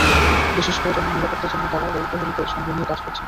বিশেষ করে ট্রেনের নিরাপত্তার জন্য তাঁরা রেল প্রহরীদের সঙ্গে নিয়ে কাজ করছেন।